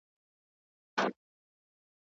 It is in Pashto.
چي مي نه ګرځي سرتوري په کوڅو کي د پردیو